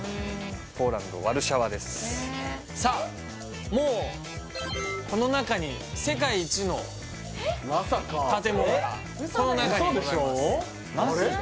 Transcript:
ポーランド・ワルシャワですさあもうこの中に世界一の建物がこの中にございますウソでしょ？